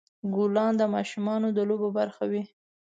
ګلان د ماشومان د لوبو برخه وي.